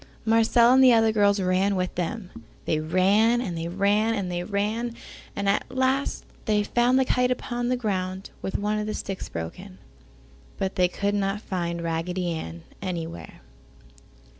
Marcella and the other girls ran with them. They ran, and they ran, and they ran, and at last they found the kite upon the ground with one of the sticks broken, but they could not find Raggedy Ann anywhere.